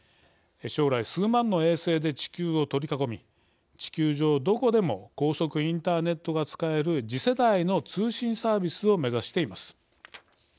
将来、数万の衛星で地球を取り囲み地球上どこでも高速インターネットが使える次世代の通信サービスを目指しています。